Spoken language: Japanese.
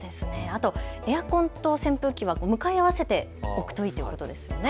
あとエアコンと扇風機は向かいあわせておくといいということですよね。